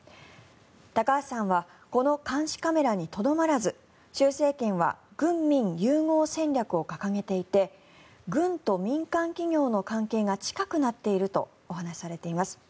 高橋さんはこの監視カメラにとどまらず習政権は軍民融合戦略を掲げていて軍と民間企業の関係が近くなっているとお話しされています。